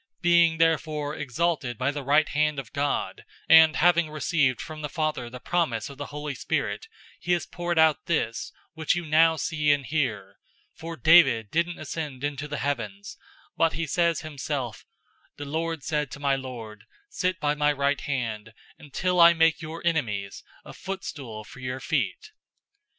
002:033 Being therefore exalted by the right hand of God, and having received from the Father the promise of the Holy Spirit, he has poured out this, which you now see and hear. 002:034 For David didn't ascend into the heavens, but he says himself, 'The Lord said to my Lord, "Sit by my right hand, 002:035 until I make your enemies a footstool for your feet."'